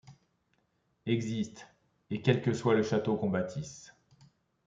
Existe ; et, quel que soit le château qu'on bâtisse